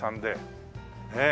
ねえ。